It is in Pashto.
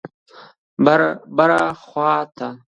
بر خوات: